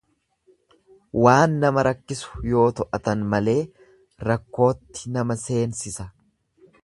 Waan nama rakkisu yoo to'atan malee rakkootti nama seensisa.